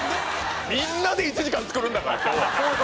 みんなで１時間作るんだから今日は。